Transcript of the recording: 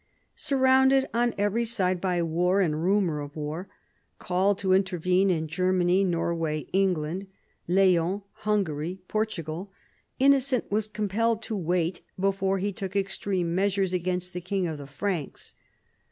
Surrounded on every side by war and rumour of war, called to inter vene in Germany, Norway, England, Leon, Hungary, Portugal, Innocent was compelled to wait before he took extreme measures against the king of the Franks.